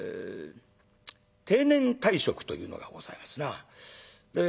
定年退職というのがございますな。